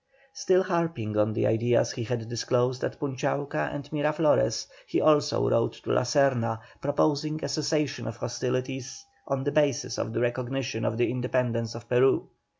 Still harping on the ideas he had disclosed at Punchauca and Miraflores, he also wrote to La Serna, proposing a cessation of hostilities, on the basis of the recognition of the independence of Peru.